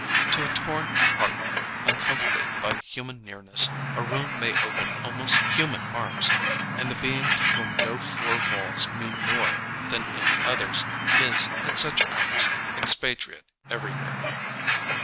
To a torn heart uncomforted by human nearness a room may open almost human arms, and the being to whom no four walls mean more than any others, is, at such hours, expatriate everywhere.